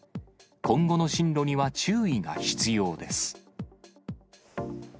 今後の進路には注意が必要です。